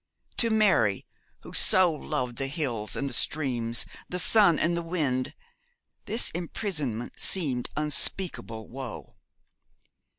To Mary, who so loved the hills and the streams, the sun and the wind, this imprisonment seemed unspeakable woe.